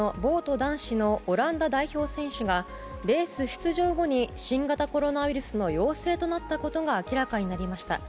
男子のオランダ代表選手がレース出場後に新型コロナウイルスの陽性になったことが明らかになりました。